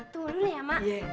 tunggu dulu ya mak